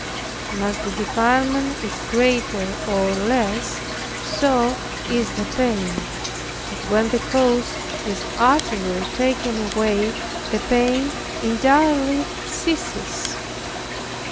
And as the defilement is greater or less, so is the pain; but when the cause is utterly taken away, the pain entirely ceases.